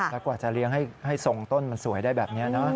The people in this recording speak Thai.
แล้วกว่าจะเลี้ยงให้ทรงต้นมันสวยได้แบบนี้นะ